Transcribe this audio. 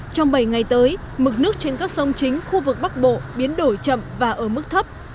trong bảy ngày tới mực nước trên các sông chính khu vực bắc bộ biến đổi chậm và ở mức thấp